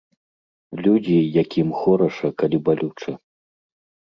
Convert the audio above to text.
Людзі, якім хораша, калі балюча.